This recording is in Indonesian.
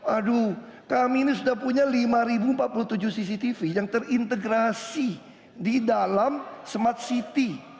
aduh kami ini sudah punya lima empat puluh tujuh cctv yang terintegrasi di dalam smart city